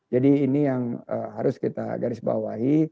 jadi ini yang harus kita garis bawahi